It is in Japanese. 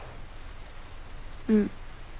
うん。